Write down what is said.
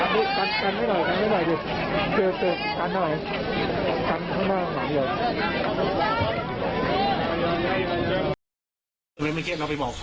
ขฎิตหน้าขนาดไหนข้างหน้าหลังเหลือ